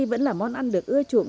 vẫn là món ăn được ưa chuộng